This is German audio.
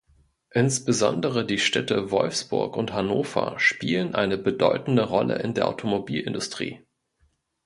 Insbesondere die Städte Wolfsburg und Hannover spielen eine bedeutende Rolle in der Automobilindustrie.